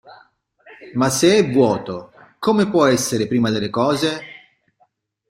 Ma se è vuoto come può essere prima delle cose?